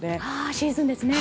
シーズンですね。